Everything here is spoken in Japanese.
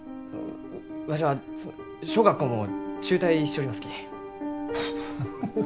わしは小学校も中退しちょりますき。